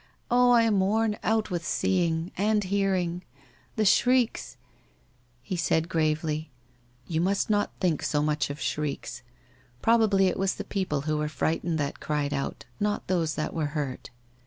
Oh, I am worn out with seeing — and hear ing! The shrieks! ...' He said gravely: 'You must not think so much of shrieks. Probably it was the people who were frightened that cried out, not those that were hurt.'